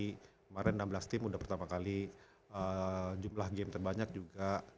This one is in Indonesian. kemarin enam belas tim udah pertama kali jumlah game terbanyak juga